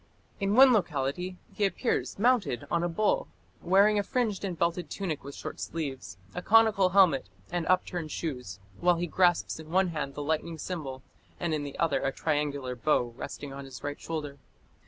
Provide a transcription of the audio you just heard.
In one locality he appears mounted on a bull wearing a fringed and belted tunic with short sleeves, a conical helmet, and upturned shoes, while he grasps in one hand the lightning symbol, and in the other a triangular bow resting on his right shoulder.